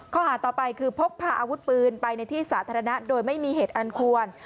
ข้อหาต่อไปคือพกพาอาวุธปืนไปในที่สาธารณะโดยไม่มีเหตุอันควร